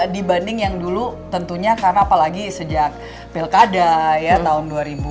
dibanding yang dulu tentunya karena apalagi sejak pilkada tahun dua ribu tujuh belas